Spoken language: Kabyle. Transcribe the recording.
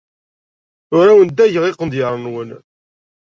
Ur awen-ddageɣ iqendyar-nwen.